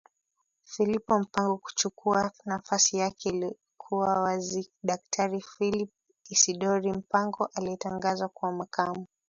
philipo mpango kuchukua nafasi yake iliyokuwa waziDaktari Philip Isidory Mpango aliyetangazwa kuwa Makamu